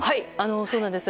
そうなんです。